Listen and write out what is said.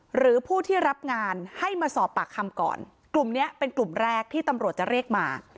หรือผู้ที่รับงานให้มาสอบปากคำก่อนกลุ่มนี้เป็นกลุ่มแรกที่ตำรวจจะเรียกมา